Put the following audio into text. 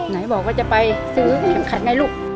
ไหนบอกว่าจะไปซื้อเข็มขัดไหมลูก